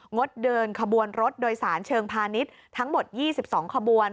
ดเดินขบวนรถโดยสารเชิงพาณิชย์ทั้งหมด๒๒ขบวน